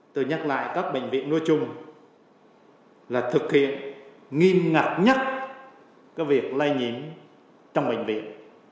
tôi nhắc lại các bệnh viện nói chung là thực hiện nghiêm ngặt nhất việc lây nhiễm trong bệnh viện